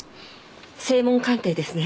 声紋鑑定ですね。